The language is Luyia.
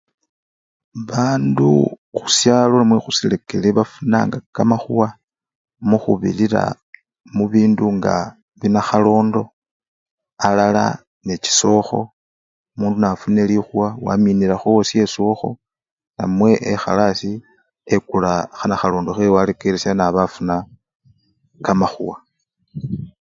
Bandu khushalo namwe khusirekere bafunanga kamakhuwa mukhubirira mubindu nga binakhalondo alala ne chisoho, mundu nafunile likhuwa waminilakho owashe esoho namwe ekhala asii ekula nakhalondo hewe warekelesha nabafuna kamakhuwa